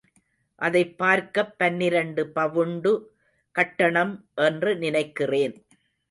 அதைப் பார்க்கப் பன்னிரண்டு பவுண்டு கட்டணம் என்று நினைக்கிறேன்.